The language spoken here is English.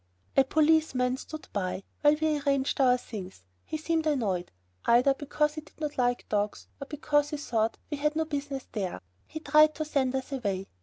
A policeman stood by while we arranged our things. He seemed annoyed, either because he did not like dogs, or because he thought we had no business there; he tried to send us away.